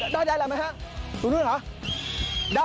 ได้หมายมะฮะ